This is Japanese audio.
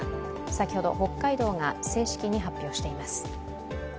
先ほど北海道が正式に発表しています。